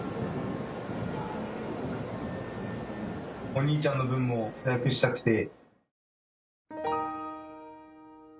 お兄ちゃんの分も活躍したくて。